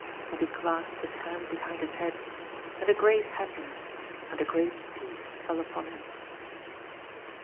And he clasped his hand behind his head, and a great happiness and a great peace fell upon him.